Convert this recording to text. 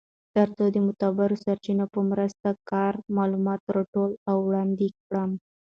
تر څو د معتبرو سرچینو په مرسته کره معلومات راټول او وړاندی کړم .